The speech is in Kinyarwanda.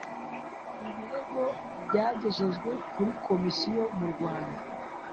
Ibirego byagejejwe kuri Komisiyo mu mwaka